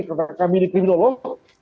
karena kami di kriminal law